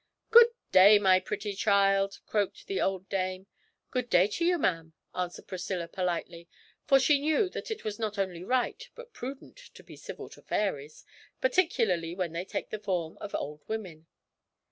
'Good day, my pretty child!' croaked the old dame. 'Good day to you, ma'am!' answered Priscilla politely (for she knew that it was not only right but prudent to be civil to fairies, particularly when they take the form of old women).